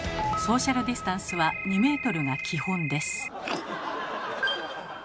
ソーシャルディスタンスは２ｍが基本です。